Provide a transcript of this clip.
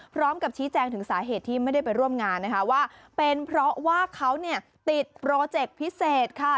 พร้อมกับชี้แจงถึงสาเหตุที่ไม่ได้ไปร่วมงานนะคะว่าเป็นเพราะว่าเขาเนี่ยติดโปรเจคพิเศษค่ะ